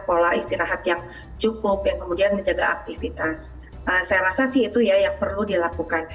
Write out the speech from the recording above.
pola istirahat yang cukup yang kemudian menjaga aktivitas saya rasa sih itu ya yang perlu dilakukan